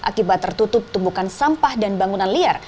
akibat tertutup tumpukan sampah dan bangunan liar